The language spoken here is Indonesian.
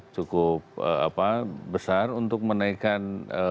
cukup besar untuk menaikkan